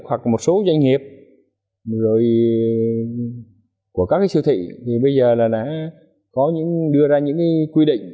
hoặc một số doanh nghiệp rồi của các siêu thị thì bây giờ là đã có những đưa ra những quy định